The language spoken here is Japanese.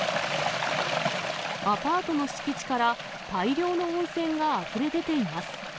アパートの敷地から、大量の温泉があふれ出ています。